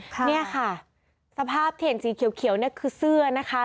เนี่ยค่ะสภาพที่เห็นสีเขียวเนี่ยคือเสื้อนะคะ